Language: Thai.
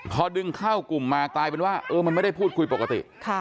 พอดึงเข้ากลุ่มมากลายเป็นว่ามันไม่ได้พูดคุยปกติ